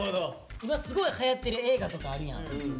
今すごいはやってる映画とかあるやん。